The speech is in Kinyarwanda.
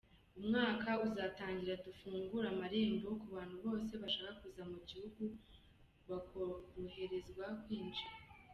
Umwaka uzatangira dufungura amarembo ku bantu bose bashaka kuza mu gihugu bakoroherezwa kwinjra.